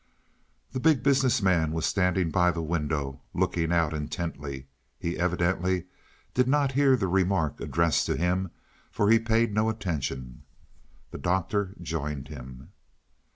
The Big Business Man was standing by the window, looking out intently. He evidently did not hear the remark addressed to him, for he paid no attention. The Doctor joined him.